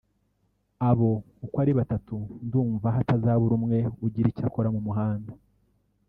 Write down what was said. abo uko ari batatu ndumva hatazabura umwe ugira icyo akora mu muhanda